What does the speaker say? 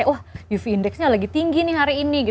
wah uv indeksnya lagi tinggi nih hari ini